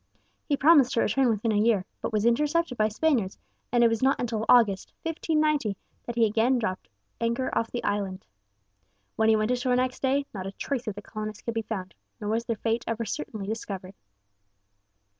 He promised to return within a year, but was intercepted by Spaniards, and it was not until August, 1590, that he again dropped anchor off the island. When he went ashore next day, not a trace of the colonists could be found, nor was their fate ever certainly discovered.